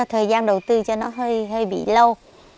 thời gian đầu tư cho nó hơi bị lâu